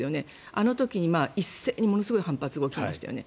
あの時にものすごい反発が出ましたよね。